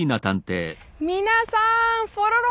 皆さん！